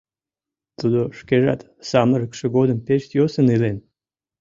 Тудо шкежат самырыкше годым пеш йӧсын илен.